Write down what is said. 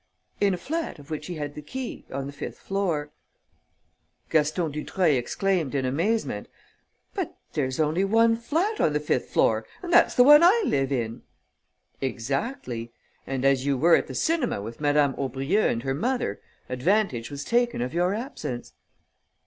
"In a flat of which he had the key, on the fifth floor." Gaston Dutreuil exclaimed, in amazement: "But there's only one flat on the fifth floor and that's the one I live in!" "Exactly; and, as you were at the cinema with Madame Aubrieux and her mother, advantage was taken of your absence...."